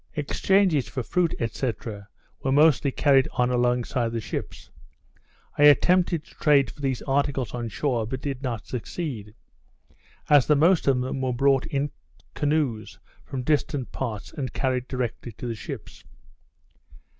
Exchanges for fruit, &c. were mostly carried on alongside the ships. I attempted to trade for these articles on shore, but did not succeed, as the most of them were brought in canoes from distant parts, and carried directly to the ships.